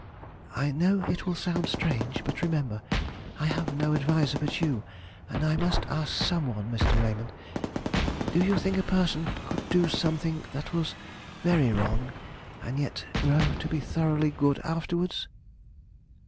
"I know it will sound strange; but remember, I have no adviser but you, and I must ask some one. Mr. Raymond, do you think a person could do something that was very wrong, and yet grow to be thoroughly good afterwards?"